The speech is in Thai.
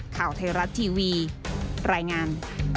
ข่าวเทราะต์ทีวีรายงาน